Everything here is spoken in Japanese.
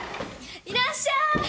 いらっしゃい。